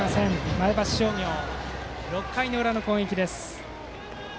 前橋商業、６回の裏の攻撃です。